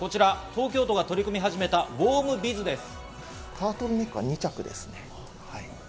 東京都が取り組み始めた、ウォームビズです。